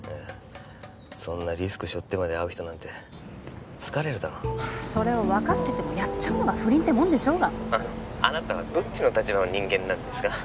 そんなリスクしょってまで会う人なんて疲れるだろそれを分かっててもやっちゃうのが不倫ってもんでしょうが☎あのあなたはどっちの立場の人間なんですか？